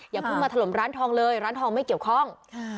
อย่าเพิ่งมาถล่มร้านทองเลยร้านทองไม่เกี่ยวข้อง